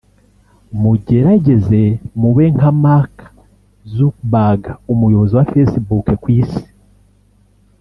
Mugerageze mube nka Mark Zuckerberg(umuyobozi wa facebook ku isi)